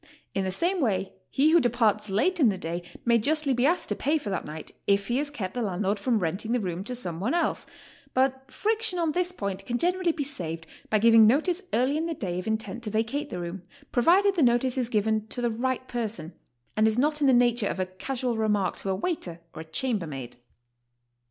In the same way he who departs late in the day may justly be asked to pay for that night if he has kei>t the land lord from renting the room to some one else; but friction on this point can generally be saved by giving notice early in the day of intent to vacate the room, provided the notice is given to the right person, and is not in the nature o^ a casual remark to a waiter or a chambermaid.